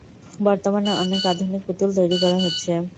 বর্তমানে অনেক আধুনিক পুতুল তৈরী করা হচ্ছে।